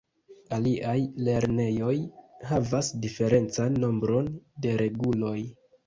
Aliaj lernejoj havas diferencan nombron de reguloj.